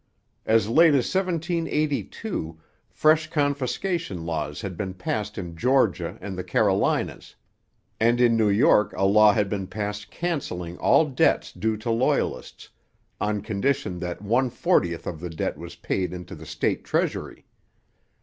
As late as 1782 fresh confiscation laws had been passed in Georgia and the Carolinas; and in New York a law had been passed cancelling all debts due to Loyalists, on condition that one fortieth of the debt was paid into the state treasury.